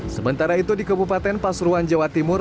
sementara itu di kabupaten pasuruan jawa timur